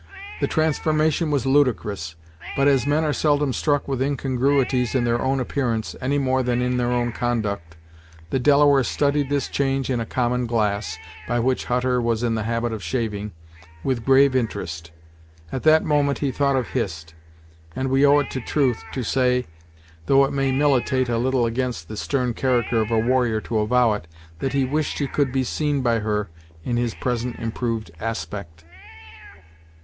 The transformation was ludicrous, but as men are seldom struck with incongruities in their own appearance, any more than in their own conduct, the Delaware studied this change in a common glass, by which Hutter was in the habit of shaving, with grave interest. At that moment he thought of Hist, and we owe it to truth, to say, though it may militate a little against the stern character of a warrior to avow it, that he wished he could be seen by her in his present improved aspect.